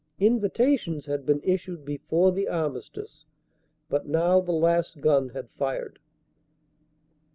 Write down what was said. Invitations had been issued before the Armistice, but now the last gun had fired.